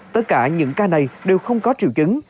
tất cả những ca này đều không có triệu chứng